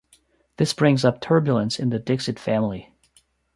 This brings up turbulence in the Dixit family.